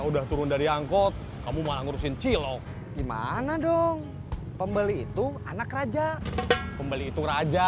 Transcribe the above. udah turun dari angkot kamu malah ngurusin cilok gimana dong pembeli itu anak raja pembeli itu raja